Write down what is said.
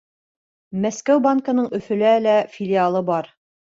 Мәскәү банкының Өфөлә лә филиалы бар.